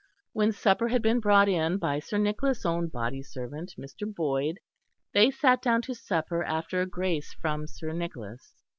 When supper had been brought in by Sir Nicholas' own body servant, Mr. Boyd, they sat down to supper after a grace from Sir Nicholas.